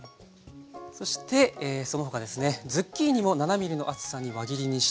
そしてその他ですねズッキーニも７ｍｍの厚さに輪切りにしてあります。